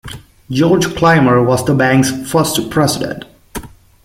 George Clymer was the bank's first president.